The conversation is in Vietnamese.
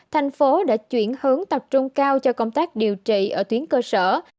thành phố đã chuyển hướng tập trung cao cho công tác điều trị ở tuyến cơ sở